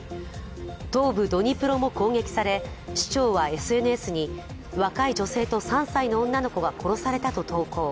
東部ドニプロも攻撃され市長はＳＮＳに若い女性と３歳の女の子が殺されたと投稿。